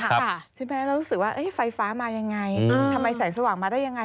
ใช่ไหมเรารู้สึกว่าไฟฟ้ามายังไงทำไมแสงสว่างมาได้ยังไง